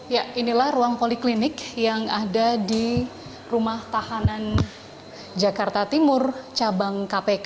ya inilah ruang poliklinik yang ada di rumah tahanan jakarta timur cabang kpk